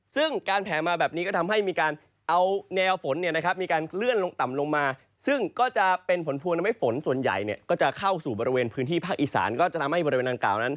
ซึ่งการแผ่มาแบบนี้จะทำให้เมาการเลื่อนต่ำง